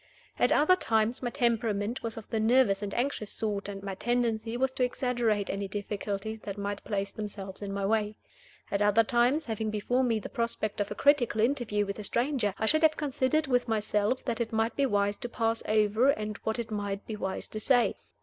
At other times my temperament was of the nervous and anxious sort, and my tendency was to exaggerate any difficulties that might place themselves in my way. At other times, having before me the prospect of a critical interview with a stranger, I should have considered with myself what it might be wise to pass over, and what it might be wise to say.